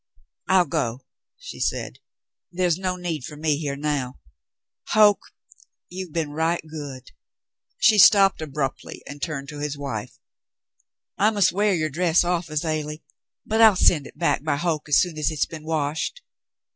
"I'll go," she said. "There's no need for me here now. Hoke — you've been right good —" She stopped abruptly and turned to his wife. "I must wear your dress off, Azalie, but I'll send it back by Hoke as soon as hit's been washed."